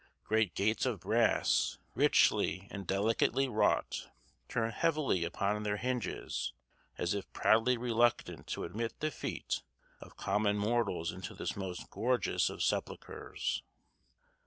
Great gates of brass, richly and delicately wrought, turn heavily upon their hinges, as if proudly reluctant to admit the feet of common mortals into this most gorgeous of sepulchres.